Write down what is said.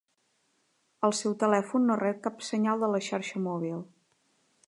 El seu telèfon no rep cap senyal de la xarxa mòbil.